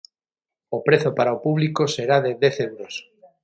O prezo para o público será de dez euros.